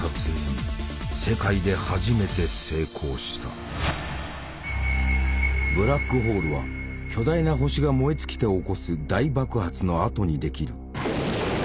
光年先のブラックホールは巨大な星が燃え尽きて起こす大爆発のあとにできる。